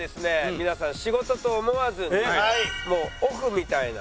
皆さん仕事と思わずにもうオフみたいな。